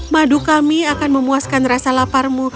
madu kami akan memuaskan rasa laparmu